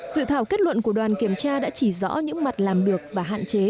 dự thảo kết luận của đoàn kiểm tra đã chỉ rõ những mặt làm được và hạn chế